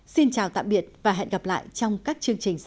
xin chào tạm biệt và hẹn gặp lại trong các chương trình sau